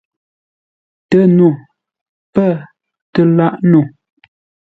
TƏNO pə̂ tə lâʼ no.